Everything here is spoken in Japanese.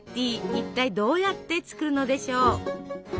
一体どうやって作るのでしょう。